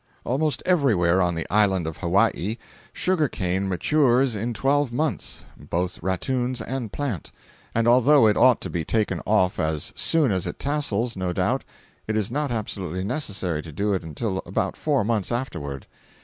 ] Almost everywhere on the island of Hawaii sugar cane matures in twelve months, both rattoons and plant, and although it ought to be taken off as soon as it tassels, no doubt, it is not absolutely necessary to do it until about four months afterward.